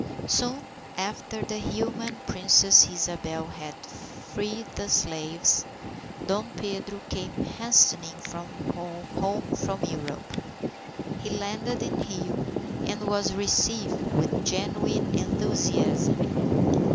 _ Soon after the humane Princess Isabel had freed the slaves, Dom Pedro came hastening home from Europe. He landed in Rio, and was received with genuine enthusiasm.